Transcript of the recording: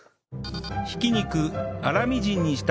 挽き肉粗みじんにした